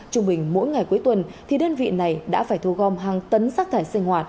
trung bình mỗi ngày cuối tuần thì đơn vị này đã phải thu gom hàng tấn rác thải sinh hoạt